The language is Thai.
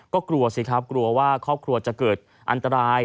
ก็กลัวสิครับกลัวว่าครอบครัวจะเกิดอันตราย